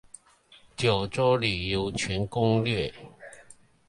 九州旅遊全攻略